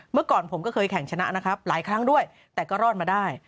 เมื่อก่อนผมก็เคยแข่งชนะนะครับหลายครั้งด้วยแต่ก็รอดมาได้